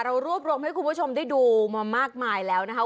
รวบรวมให้คุณผู้ชมได้ดูมามากมายแล้วนะคะ